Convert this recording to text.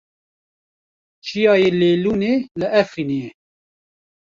Çiyayê Lêlûnê li Efrînê ye.